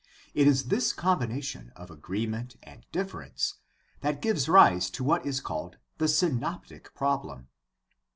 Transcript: It is this combination of agreement and difference that gives rise to what is called the synoptic problem.